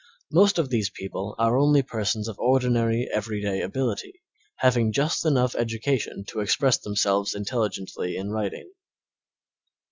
Most of these people are only persons of ordinary, everyday ability, having just enough education to express themselves intelligently in writing.